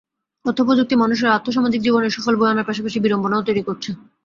তথ্যপ্রযুক্তি মানুষের আর্থসামাজিক জীবনে সুফল বয়ে আনার পাশাশি বিড়ম্বনাও তৈরি করছে।